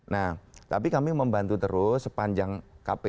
nah tapi kami membantu terus sepanjang kpu